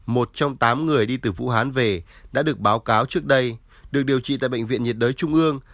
một trong tám người đi từ vũ hán về đã được báo cáo trước đây được điều trị tại bệnh viện nhiệt đới trung ương